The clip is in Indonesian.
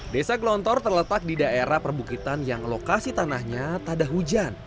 desa glontor terletak di daerah perbukitan yang lokasi tanahnya tak ada hujan